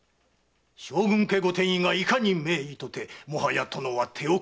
将軍家ご典医がいかに名医とてもはや殿は手遅れ。